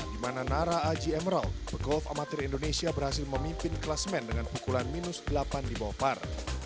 di mana nara aji emerald pegolf amatir indonesia berhasil memimpin kelas men dengan pukulan minus delapan di bawah par